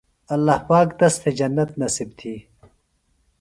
اللہ پاک تس تھےۡ جنت نصیب تھی